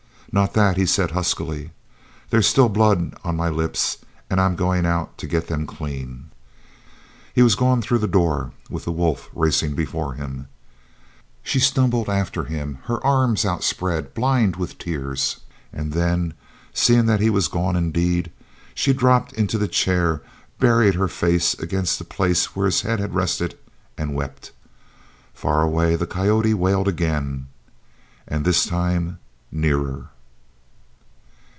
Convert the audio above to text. "Not that!" he said huskily. "There's still blood on my lips an' I'm goin' out to get them clean." He was gone through the door with the wolf racing before him. She stumbled after him, her arms outspread, blind with tears; and then, seeing that he was gone indeed, she dropped into the chair, buried her face against the place where his head had rested, and wept. Far away the coyote wailed again, and this time nearer.